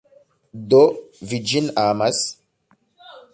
Do, vi ĝin amas?